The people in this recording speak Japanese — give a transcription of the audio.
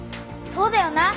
そうだよな。